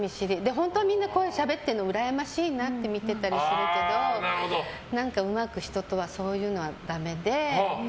本当はみんなでしゃべってるのうらやましいなって見てたりするけどうまく人とはそういうのはダメで。